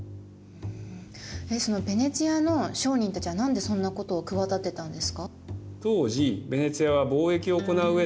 ヴェネツィアの商人たちは何でそんなことを企てたんですか？